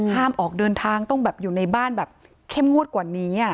ออกเดินทางต้องแบบอยู่ในบ้านแบบเข้มงวดกว่านี้